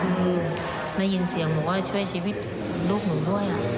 คือได้ยินเสียงบอกว่าช่วยชีวิตลูกหนูด้วย